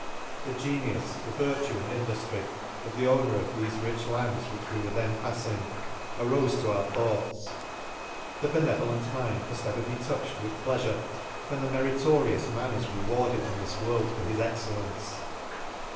— The genius, the virtue and induftry, of the owner of thefe rich lands, which we were then paffing, arofe to our thoughts ;— the be nevolent mind muft ever be touched with pleafure, when the meritorious man is re warded in this world far his excellence.